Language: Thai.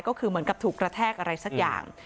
ก็คือเหมือนกับถูกกระแทกอะไรสักอย่าง